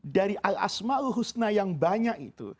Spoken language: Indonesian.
dari al asma'ul husna yang banyak itu